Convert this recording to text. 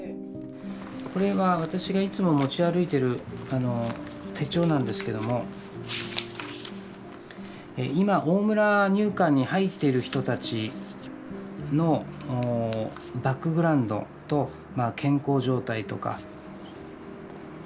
これは私がいつも持ち歩いてる手帳なんですけども今大村入管に入っている人たちのバックグラウンドと健康状態とか。